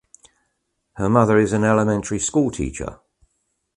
Her mother is an elementary school teacher.